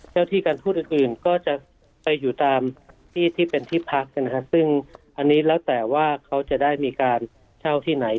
ที่การทูตอื่นอื่นก็จะไปอยู่ตามที่ที่เป็นที่พักนะครับซึ่งอันนี้แล้วแต่ว่าเขาจะได้มีการเช่าที่ไหน